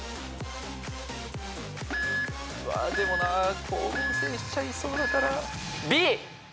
でもな光合成しちゃいそうだから。